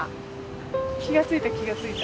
気がついた気がついた。